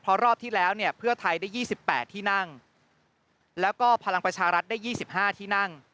เพราะรอบที่แล้วเนี่ยเพื่อไทยได้๒๘ที่นั่งแล้วก็พลังประชารัฐได้๒๕ที่นั่ง